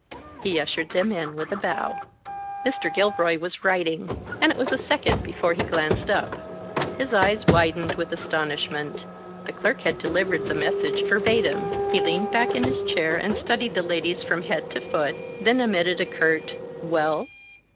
He ushered them in with a bow. Mr. Gilroy was writing, and it was a second before he glanced up. His eyes widened with astonishment the clerk had delivered the message verbatim. He leaned back in his chair and studied the ladies from head to foot, then emitted a curt: "Well?"